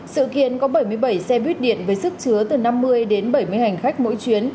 sự kiến có bảy mươi bảy xe buýt điện với sức chứa từ năm mươi đến bảy mươi hành khách mỗi chuyến